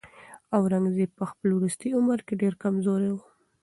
اورنګزېب په خپل وروستي عمر کې ډېر کمزوری و.